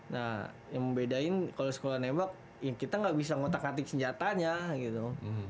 nah yang membedain kalau sekolah nembak ya kita nggak bisa ngotak ngatik senjatanya gitu